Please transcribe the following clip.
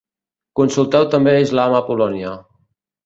Consulteu també islam a Polònia.